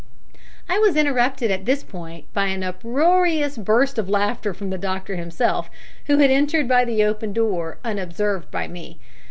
I was interrupted at this point by an uproarious burst of laughter from the doctor himself, who had entered by the open door unobserved by me.